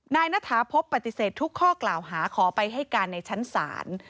นายนาถาพบุญทองโทยุปฏิเสธทุกข้อกล่าวหาขอไปให้การในชั้นศาล